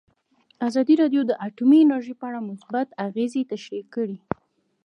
ازادي راډیو د اټومي انرژي په اړه مثبت اغېزې تشریح کړي.